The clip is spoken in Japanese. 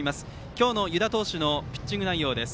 今日の湯田投手のピッチング内容です。